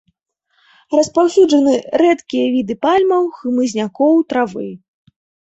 Распаўсюджаны рэдкія віды пальмаў, хмызнякоў, травы.